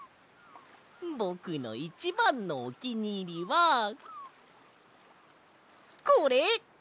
ぼくのいちばんのおきにいりはこれ！